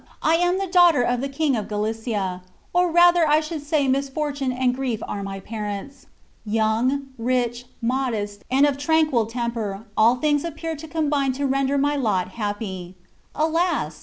I am the daughter of the king of Galicia, or rather I should say misfortune and grief are my parents. Young, rich, modest, and of tranquil temper, all things appeared to combine to render my lot happy. Alas!